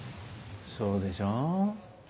そうでしょ？